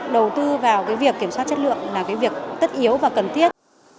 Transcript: đầu tư vào cái việc kiểm soát chất lượng là cái việc tất yếu và cần thiết